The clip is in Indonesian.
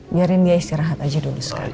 biarin dia istirahat aja dulu sekali